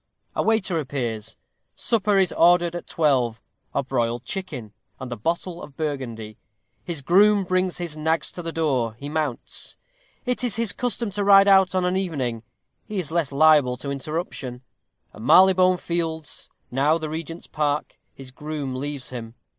A waiter appears supper is ordered at twelve a broiled chicken and a bottle of Burgundy his groom brings his nags to the door he mounts. It is his custom to ride out on an evening he is less liable to interruption. At Marylebone Fields now the Regent's Park, his groom leaves him.